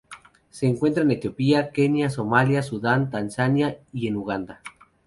Se encuentra en Etiopía, Kenia, Somalia, Sudán, Tanzania y en Uganda.